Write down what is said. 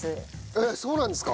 えっそうなんですか？